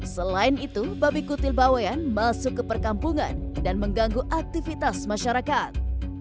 selain itu babi kutil bawean masuk ke perkampungan dan mengganggu aktivitas masyarakat